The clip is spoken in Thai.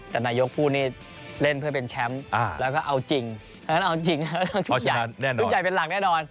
แต่นายกพูดเล่นเพื่อเป็นแชมป์แล้วเอาจริงแล้วก็เอาชุดใหญ่เป็นหลังแน่นอน